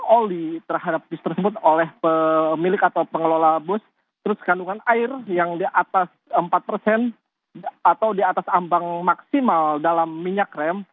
oli terhadap bus tersebut oleh pemilik atau pengelola bus terus kandungan air yang di atas empat persen atau di atas ambang maksimal dalam minyak rem